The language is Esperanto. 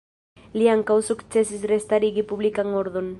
Li ankaŭ sukcesis restarigi publikan ordon.